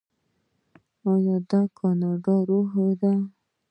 دا د کاناډا روحیه ده.